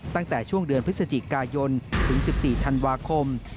ตั้งแต่ช่วงเดือนพฤศจิกายนถึง๑๔ธันวาคม